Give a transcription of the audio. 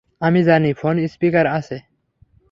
আমি জানি phone speaker আছে।